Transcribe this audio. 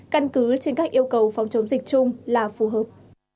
căn cứ trên các yêu cầu phòng chống dịch chung là phù hợp